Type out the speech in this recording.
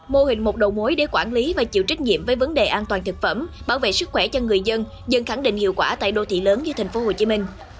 mô hình một đầu mối để quản lý và chịu trách nhiệm với vấn đề an toàn thực phẩm bảo vệ sức khỏe cho người dân dân khẳng định hiệu quả tại đô thị lớn như tp hcm